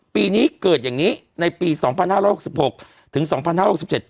ปีนี้เกิดอย่างงี้ในปีสองพันห้าร้อยหกสิบหกถึงสองพันห้าหกสิบเจ็ด